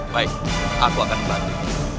baik aku akan berhenti